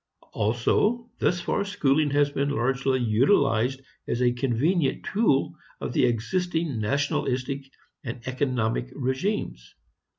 Also, thus far schooling has been largely utilized as a convenient tool of the existing nationalistic and economic regimes.